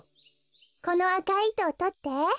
このあかいいとをとって。